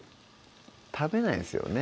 食べないんですよね